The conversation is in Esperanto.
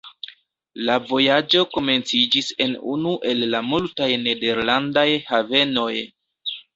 La vojaĝo komenciĝis en unu el la multaj nederlandaj havenoj.